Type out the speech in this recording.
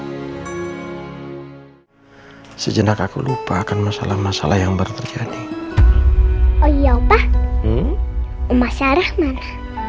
hai sejenak aku lupakan masalah masalah yang baru terjadi oh ya opah umah sarah mana